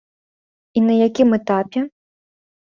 І на якім этапе?